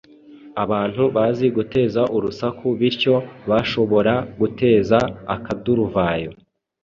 abantu bazi guteza urusaku bityo bashobora guteza akaduruvayo